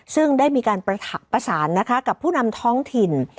ซึ่งได้มีการประสานนะคะกับผู้นำท้องถิ่น